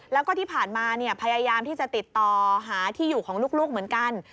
แล้วก็ที่ผ่านมาพยายามที่จะติดต่อหาที่อยู่ของลูกเหมือนกัน